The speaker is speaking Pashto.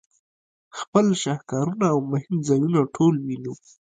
خپل شهکارونه او مهم ځایونه ټول وینو.